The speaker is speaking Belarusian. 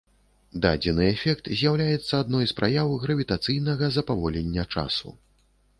Дадзены эфект з'яўляецца адной з праяў гравітацыйнага запаволення часу.